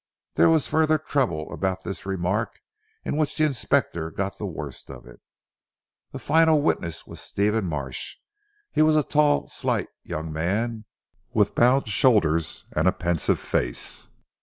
There was further trouble about this remark, in which the Inspector got the worst of it. A final witness was Stephen Marsh. He was a tall slight young man with bowed shoulders, and a pensive face.